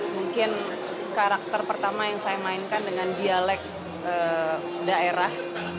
mungkin karakter pertama yang saya mainkan dengan dialek daerah